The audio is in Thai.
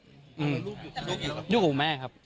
ลูกอยู่กับลูกอยู่กับลูกอยู่กับแม่ครับ